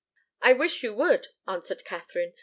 "I wish you would!" answered Katharine.